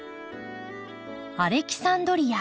アレキサンドリア。